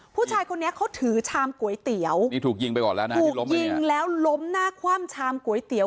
ผู้ชายคนนี้เขาถือชามก๋วยเตี๋ยวถูกยิงแล้วล้มหน้าคว่ำชามก๋วยเตี๋ยว